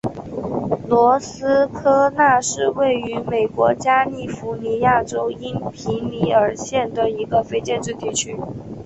罗斯科纳是位于美国加利福尼亚州因皮里尔县的一个非建制地区。